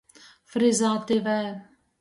Frizātivē.